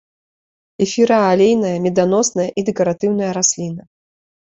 Эфіраалейная, меданосная і дэкаратыўная расліна.